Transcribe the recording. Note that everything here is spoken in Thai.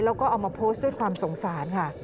แล้วก็เอามาโพสต์ด้วยความสงสารค่ะ